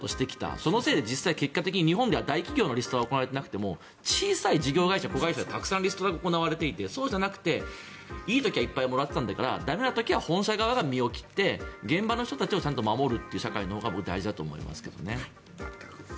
そのせいで実際、結果的に日本では大企業のリストラは行われていなくても小さい事業会社、子会社はたくさんリストラが行われていてそうじゃなくていい時はいっぱいもらってきたんだから駄目な時は本社側が身を切って現場の人たちをちゃんと守る社会のほうが僕は大事だと思いますけどね。